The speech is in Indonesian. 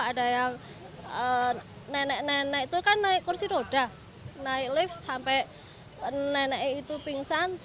ada yang nenek nenek itu kan naik kursi roda naik lift sampai nenek itu pingsan